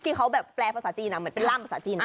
ที่เขาแบบแปลภาษาจีนเหมือนเป็นร่ำภาษาจีน